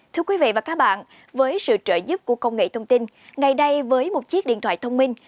thưa quý vị và các bạn với sự trợ giúp của công nghệ thông tin ngày nay với một chiếc điện thoại thông minh